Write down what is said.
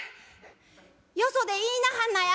よそで言いなはんなや」。